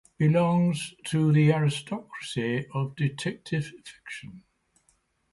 Belongs to the aristocracy of detective fiction.